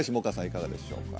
いかがでしょうか？